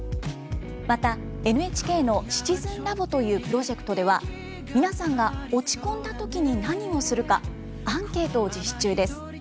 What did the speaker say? またＮＨＫの「シチズンラボ」というプロジェクトではみなさんが落ち込んだときに何をするかアンケートを実施中です。